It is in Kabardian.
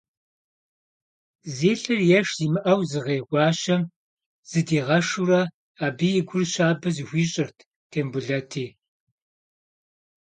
Зи лӏыр еш зимыӏэу зыгъей Гуащэм зыдигъэшурэ, абы и гур щабэ зыхуищӏырт Тембулэти.